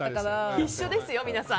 一緒ですよ、皆さん。